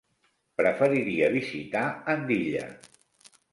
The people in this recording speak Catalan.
Preferiria visitar Andilla.